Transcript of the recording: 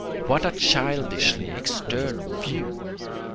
What a childishly external view!